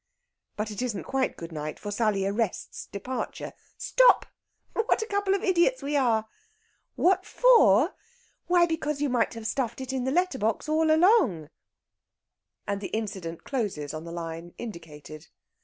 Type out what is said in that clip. But it isn't quite good night, for Sally arrests departure. "Stop! What a couple of idiots we are!... What for? why because you might have stuffed it in the letter box all along." And the incident closes on the line indicated.